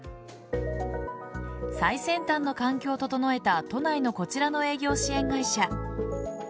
最先端の環境を整えた都内のこちらの営業支援会社。